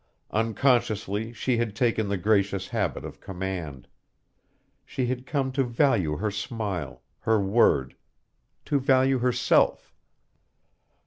Unconsciously she had taken the gracious habit of command. She had come to value her smile, her word, to value herself.